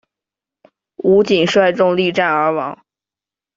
吴瑾率众力战而亡。